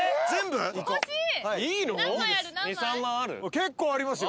結構ありますよ。